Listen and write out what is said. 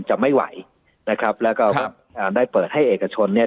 จะไม่ไหวนะครับแล้วก็อ่าได้เปิดให้เอกชนเนี่ย